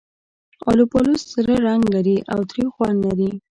آلوبالو سره رنګ لري او تریو خوند لري.